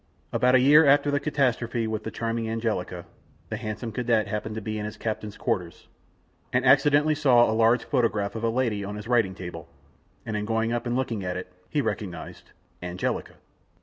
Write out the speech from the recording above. About a year after the catastrophe with charming Angelica, the handsome cadet happened to be in his captain's quarters, and accidentally saw a large photograph of a lady on his writing table, and on going up and looking at it, he recognized Angelica.